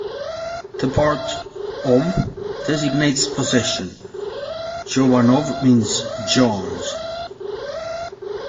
The part "ov" designates possession: "Jovanov" means "John's".